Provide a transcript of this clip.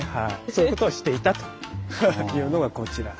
そういうことをしていたというのがこちら。